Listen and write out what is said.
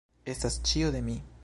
Estas ĉio de mi!